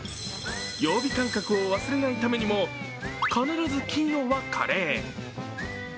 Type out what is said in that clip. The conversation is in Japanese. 曜日感覚を忘れないためにも必ず金曜はカレー。